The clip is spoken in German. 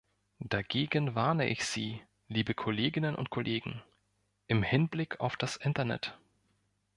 Dagegen warne ich Sie, liebe Kolleginnen und Kollegen, im Hinblick auf das Internet.